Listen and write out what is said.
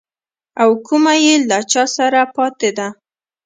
او کومه يې له چا سره پاته ده.